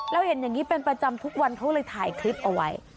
แล้วเห็นอย่างนี้เป็นประจำทุกวันเขาเลยถ่ายคลิปเอาไว้